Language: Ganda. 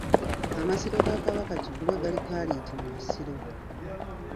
Amasiro ga Kabaka Kikulwe gali Kkaaliiti mu Busiro.